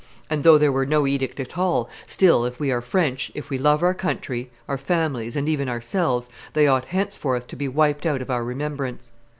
And, though there were no edict at all, still if we are French, if we love our country, our families, and even ourselves, they ought henceforth to be wiped out of our remembrance.